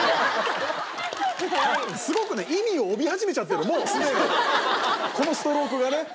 すごくね、意味を帯び始めちゃってる、もうすでに、このストロークがね。